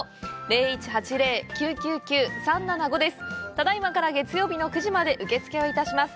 ただいまから月曜日の９時まで受け付けをいたします。